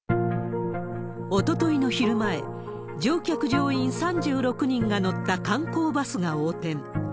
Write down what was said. おとといの昼前、乗客・乗員３６人が乗った観光バスが横転。